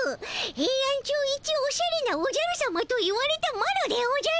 ヘイアンチョウいちおしゃれなおじゃるさまといわれたマロでおじゃる！